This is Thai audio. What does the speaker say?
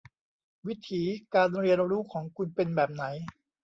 วิถีการเรียนรู้ของคุณเป็นแบบไหน